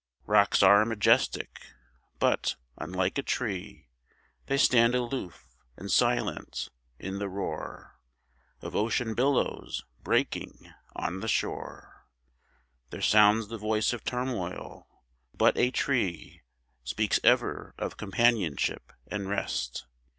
Rocks are majestic; but, unlike a tree, They stand aloof, and silent. In the roar Of ocean billows breaking on the shore There sounds the voice of turmoil. But a tree Speaks ever of companionship and rest.